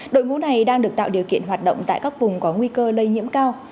đội ngũ này đang được tạo điều kiện hoạt động tại các vùng có nguy cơ lây nhiễm cao